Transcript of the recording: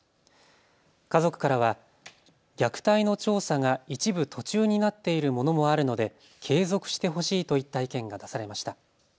家族からは虐待の調査が一部、途中になっているものもあるので継続してほしいといった意見が出されました。